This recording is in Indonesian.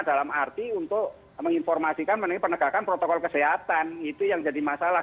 dalam arti untuk menginformasikan mengenai penegakan protokol kesehatan itu yang jadi masalah